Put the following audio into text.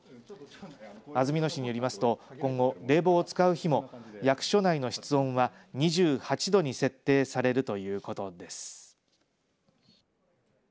安曇野市によりますと今後、冷房を使う日も役所内の室温は２８度に設定されるということです。